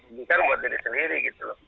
ini kan buat diri sendiri gitu loh